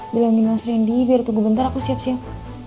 bilangin mas randy biar tunggu bentar aku siap siap